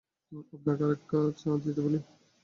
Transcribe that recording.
আপনাকে আরেক কা চা দিতে বলি?